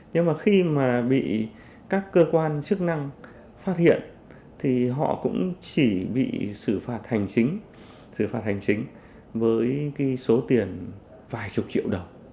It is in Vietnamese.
nhưng mà khi mà bị các cơ quan chức năng phát hiện thì họ cũng chỉ bị xử phạt hành chính xử phạt hành chính với cái số tiền vài chục triệu đồng